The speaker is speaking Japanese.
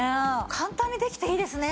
簡単にできていいですね。